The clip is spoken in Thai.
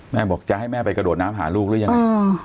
แม่บอกจะให้แม่ไปกระโดดน้ำหาลูกหรือยังไง